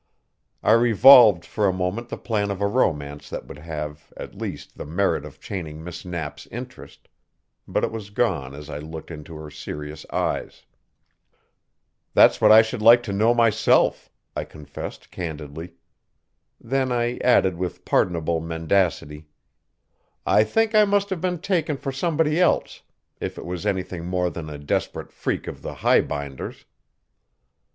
I revolved for a moment the plan of a romance that would have, at least, the merit of chaining Miss Knapp's interest. But it was gone as I looked into her serious eyes. "That's what I should like to know myself," I confessed candidly. Then I added with pardonable mendacity: "I think I must have been taken for somebody else, if it was anything more than a desperate freak of the highbinders."